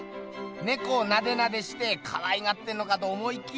ねこをナデナデしてかわいがってんのかと思いきや。